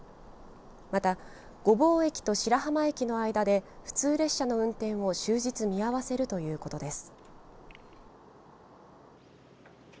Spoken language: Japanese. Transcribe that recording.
また御坊駅と白浜駅の間で普通列車の運転を終日見合わせるということです。